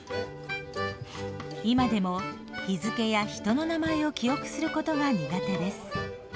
今でも日付や人の名前を記憶することが苦手です。